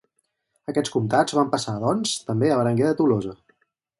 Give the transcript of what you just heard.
Aquests comtats van passar, doncs, també a Berenguer de Tolosa.